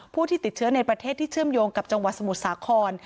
ผู้ที่ติดเชื้อในประเทศที่เชื่อมโยงกับจังหวัดสมุทรสาคร